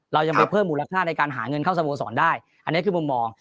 เรายังไปเพิ่มมูลค่าในการหาเงินเข้าสโมสรได้อันนี้คือมุมมอง